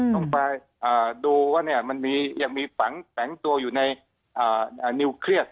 ต้องไปดูว่ามันยังมีแฝงตัวอยู่ในนิวเครียด